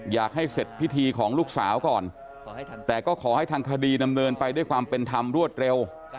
อยากให้เสร็จพิธีของลูกสาวก่อนแต่ก็ขอให้ทางคดีดำเนินไปด้วยความเป็นธรรมรวดเร็ว